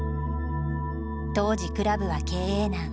当時クラブは経営難。